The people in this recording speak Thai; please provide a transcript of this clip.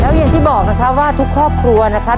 อย่างที่บอกนะครับว่าทุกครอบครัวนะครับ